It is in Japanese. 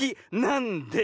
なんで？